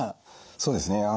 そうですね。